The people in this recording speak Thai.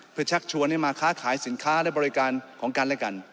เพื่อชักชวนให้มาค้าขายสินค้าและบริการของกันและกัน